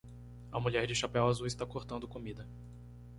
A mulher de chapéu azul está cortando comida